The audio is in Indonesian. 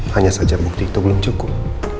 hanya saja bukti itu belum cukup